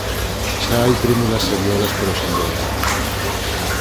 Xa hai prímulas e violas polo sendeiro.